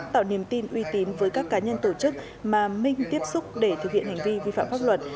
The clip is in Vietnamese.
tạo niềm tin uy tín với các cá nhân tổ chức mà minh tiếp xúc để thực hiện hành vi vi phạm pháp luật